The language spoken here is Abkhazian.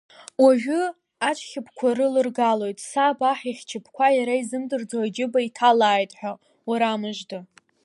Уажәы ачхьыԥқәа рылыргоит, саб аҳ ичхьыԥқәа иара изымдырӡо иџьыба иҭалааит ҳәа, уара мыжда!